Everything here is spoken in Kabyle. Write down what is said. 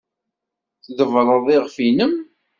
Tḍebbreḍ iɣef-nnem.